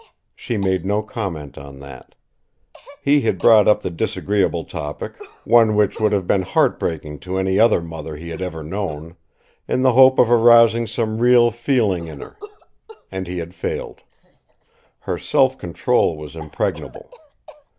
She made no comment on that. He had brought up the disagreeable topic one which would have been heart breaking to any other mother he had ever known in the hope of arousing some real feeling in her. And he had failed. Her self control was impregnable.